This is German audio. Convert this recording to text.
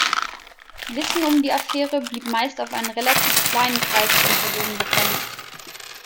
Wissen um die Affäre blieb meist auf einen relativ kleinen Kreis von Personen begrenzt.